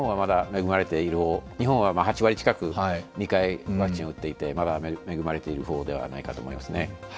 日本は８割近く２回ワクチンを打っていてまだ恵まれている方ではないかと思いますね。